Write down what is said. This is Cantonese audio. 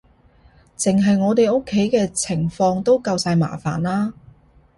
淨係我哋屋企嘅情況都夠晒麻煩喇